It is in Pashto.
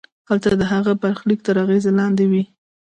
هلته د هغه برخلیک تر اغېز لاندې وي.